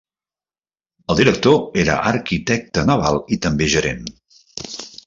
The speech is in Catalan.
El Director era arquitecte naval i també gerent.